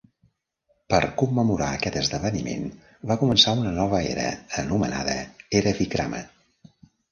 Per commemorar aquest esdeveniment, va començar una nova era anomenada "era Vikrama".